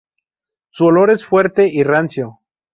Su olor es fuerte y rancio.